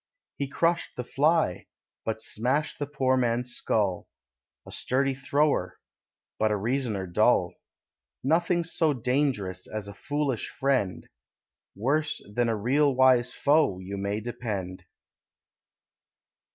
He crushed the fly, but smashed the poor man's skull A sturdy thrower, but a reasoner dull. Nothing's so dangerous as a foolish friend; Worse than a real wise foe, you may depend.